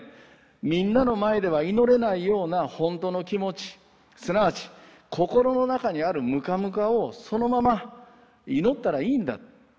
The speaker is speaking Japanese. みんなの前では祈れないようなほんとの気持ちすなわち心の中にあるムカムカをそのまま祈ったらいいんだ。